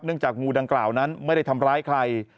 จากงูดังกล่าวนั้นไม่ได้ทำร้ายใคร